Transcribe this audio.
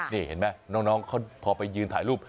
นี่เห็นไหมน้องเขาพอไปยืนถ่ายรูป